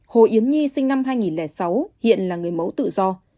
hồ yến nhi sinh năm hai nghìn sáu hiện là người mẫu tự do